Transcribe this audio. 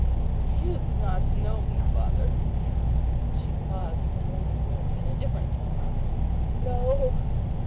you do not know me, father!" She paused, and then resumed in a different tone, "No!